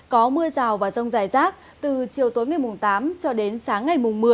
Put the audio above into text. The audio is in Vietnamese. có mưa rào và rông dài rác từ chiều tối ngày tám cho đến sáng ngày một mươi